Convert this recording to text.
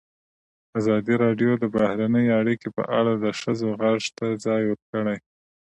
ازادي راډیو د بهرنۍ اړیکې په اړه د ښځو غږ ته ځای ورکړی.